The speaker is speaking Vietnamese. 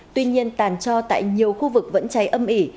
tuy nhiên tàn cho tại nhiều khu vực vẫn cháy âm ỉ